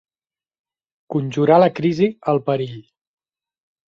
Conjurar la crisi, el perill.